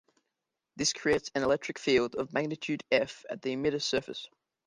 This creates an electric field of magnitude "F" at the emitter surface.